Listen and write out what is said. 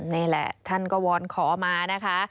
นี่แหละท่านก็วอนขอมานะคะ